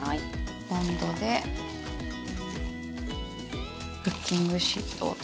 ボンドでクッキングシートをとめていくと。